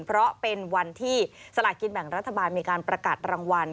เพราะเป็นวันที่สลากินแบ่งรัฐบาลมีการประกาศรางวัล